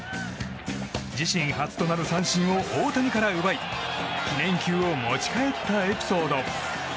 自身初となる三振を大谷から奪い記念球を持ち帰ったエピソード。